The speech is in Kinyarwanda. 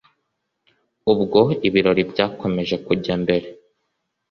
ubwo ibirori byakomeje kujya mbere